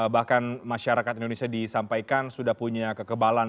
bahkan masyarakat indonesia disampaikan sudah punya kekebalan